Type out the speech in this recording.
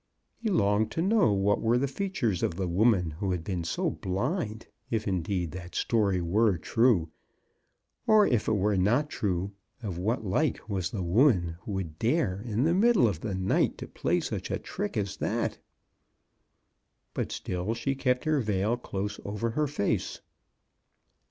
He longed to know what were the features of the woman who had been so blind — if indeed that story were true. Or if it were not true, of what like was the woman who would dare in the middle of the night to play such a trick as that? But still she kept her veil close over her face.